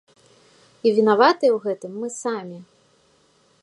І вінаватыя ў гэтым мы самі.